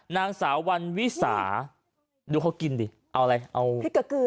นางสาววันวิสาดูเขากินดิเอาอะไรเอาพริกเกลือเกลือ